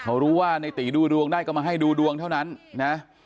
เขารู้ว่าในตีดูดวงได้ก็มาให้ดูดวงเท่านั้นนะ